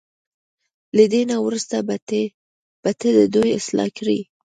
له دې نه وروسته به ته د دوی اصلاح کړې.